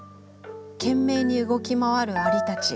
懸命に動き回る蟻たち。